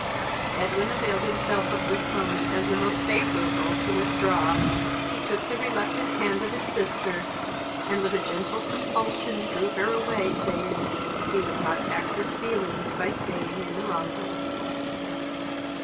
Edwin availed himself of this moment as the most favourable to withdraw. He took the reluctant hand of his sister, and with a gentle compulsion drew her away, saying, he would not tax his feelings by staying any longer.